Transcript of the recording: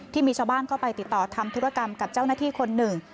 ที่มีชาวบ้านเข้าไปติดต่อทำธุรกรรมกับเจ้าหน้าที่คนหนึ่ง